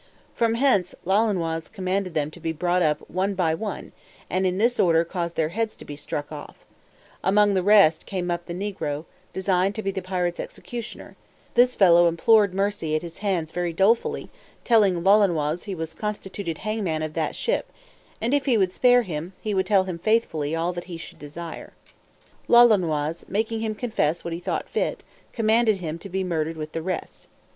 From hence Lolonois commanded them to be brought up, one by one, and in this order caused their heads to be struck off: among the rest came up the negro, designed to be the pirates' executioner; this fellow implored mercy at his hands very dolefully, telling Lolonois he was constituted hangman of that ship, and if he would spare him, he would tell him faithfully all that he should desire. Lolonois, making him confess what he thought fit, commanded him to be murdered with the rest.